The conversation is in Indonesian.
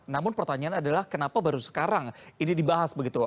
namun pertanyaan adalah kenapa baru sekarang ini dibahas begitu